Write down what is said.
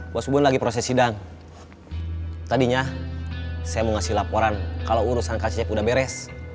bos gue lagi proses sidang tadinya saya mau ngasih laporan kalau urusan kasih udah beres